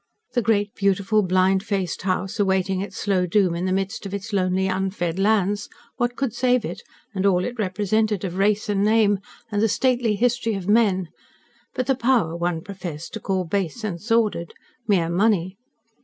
The great beautiful, blind faced house, awaiting its slow doom in the midst of its lonely unfed lands what could save it, and all it represented of race and name, and the stately history of men, but the power one professed to call base and sordid mere money?